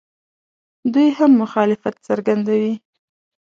دوی هم مخالفت څرګندوي.